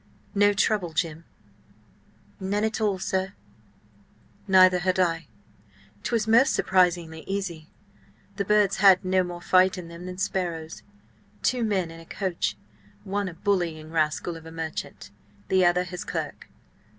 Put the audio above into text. "No trouble, Jim?" "None at all, sir." "Neither had I. 'Twas most surprisingly easy. The birds had no more fight in them than sparrows. Two men in a coach–one a bullying rascal of a merchant, the other his clerk.